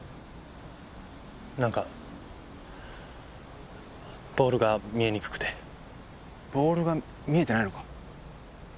なんかボールが見えにくくてボールが見えてないのか？